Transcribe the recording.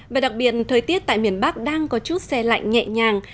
và đặc biệt thời tiết tại miền bắc đang có chút xe lạnh nhẹ nhàng